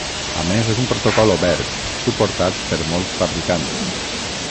A més, és un protocol obert, suportat per molts fabricants.